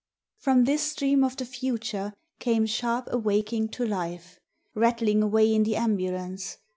From this dream of the Future came sharp awaking to life; rattling away in the ambulance...